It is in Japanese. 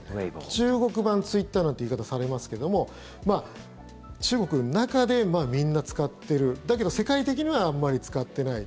中国版ツイッターなんて言い方をされますけども中国の中でみんな使ってるだけど世界的にはあんまり使ってない。